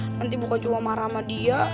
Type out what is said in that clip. nanti bukan cuma marah sama dia